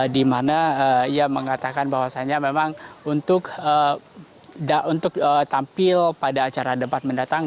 di mana ia mengatakan bahwasannya memang untuk tampil pada acara debat mendatang